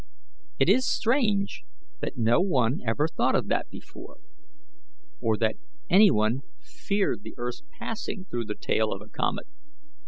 It is strange that no one ever thought of that before, or that any one feared the earth's passing through the tail of a comet.